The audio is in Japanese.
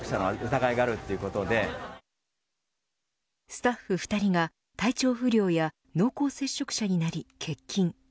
スタッフ２人が体調不良や濃厚接触者になり欠勤。